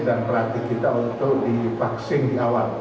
pelatih kita untuk divaksin di awal